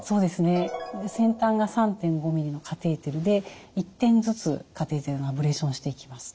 先端が３．５ミリのカテーテルで１点ずつカテーテルのアブレーションをしていきます。